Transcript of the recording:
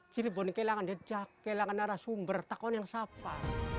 kita mendingal jadi kita kehilangan arah sumber takutnya apa